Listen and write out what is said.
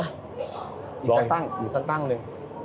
อีกสักตั้งอีกสักตั้งหนึ่ง